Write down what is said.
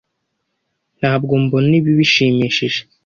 Ntabwo mbona ibi bishimishije.